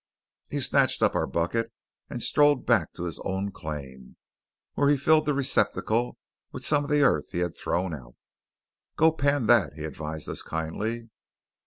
He snatched up our bucket and strode back to his own claim, where he filled the receptacle with some of the earth he had thrown out. "Go pan that," he advised us kindly.